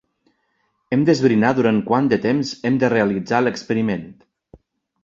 Hem d'esbrinar durant quant de temps hem de realitzar l'experiment.